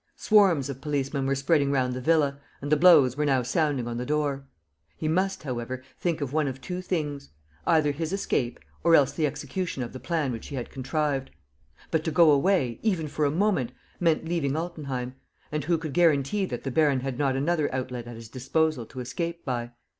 Swarms of policemen were spreading round the villa; and the blows were now sounding on the door. He must, however, think of one of two things: either his escape, or else the execution of the plan which he had contrived. But to go away, even for a moment, meant leaving Altenheim; and who could guarantee that the baron had not another outlet at his disposal to escape by?